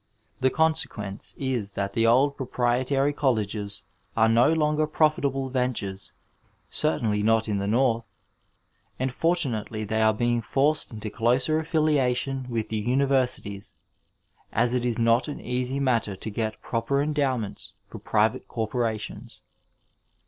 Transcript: The consequence is that the old pro prietary colleges aze no longer profitable ventures, cer tainly not in the north, and fortunately they aze being forced into dos^ affiliation with the universities^ as it is not an easy matter to get proper endowments for private corporations.